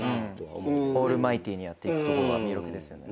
オールマイティーにやっていくとこが魅力ですよね。